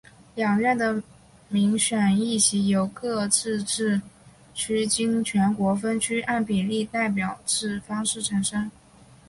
两院的民选议席由各自治区经全国分区按比例代表制方式产生。